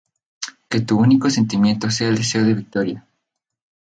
Que tu único sentimiento sea el deseo de victoria.